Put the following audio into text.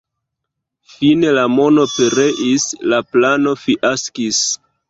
Fine la mono pereis, la plano fiaskis.